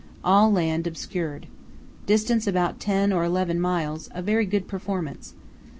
All land obscured. Distance about ten or eleven miles, a very good performance.